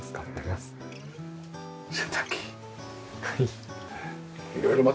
はい。